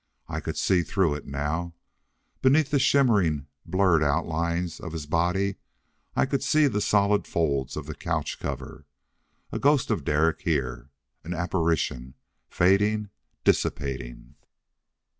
I could see through it now! Beneath the shimmering, blurred outlines of his body I could see the solid folds of the couch cover. A ghost of Derek here. An apparition fading dissipating!